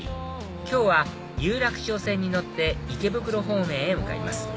今日は有楽町線に乗って池袋方面へ向かいます